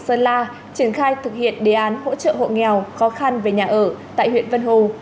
sơn la triển khai thực hiện đề án hỗ trợ hộ nghèo khó khăn về nhà ở tại huyện vân hồ